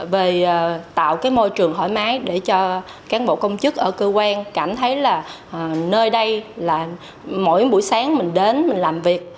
về tạo cái môi trường thoải mái để cho cán bộ công chức ở cơ quan cảm thấy là nơi đây là mỗi buổi sáng mình đến mình làm việc